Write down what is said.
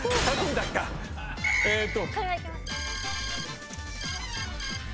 えーっと。